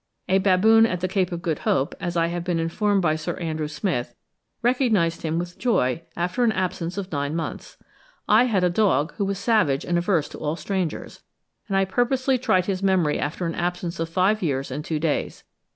A baboon at the Cape of Good Hope, as I have been informed by Sir Andrew Smith, recognised him with joy after an absence of nine months. I had a dog who was savage and averse to all strangers, and I purposely tried his memory after an absence of five years and two days.